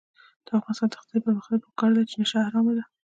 د افغانستان د اقتصادي پرمختګ لپاره پکار ده چې نشه حرامه ده.